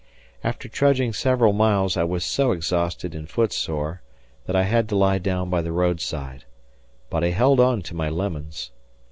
After trudging several miles I was so exhausted and footsore that I had to lie down by the roadside; but I held on to my lemons.